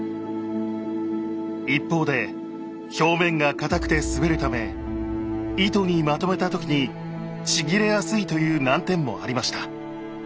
一方で表面が硬くて滑るため糸にまとめた時にちぎれやすいという難点もありました。